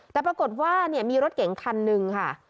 แต่ปรากฏว่ามีรถเก๋งคันหนึ่งค่ะ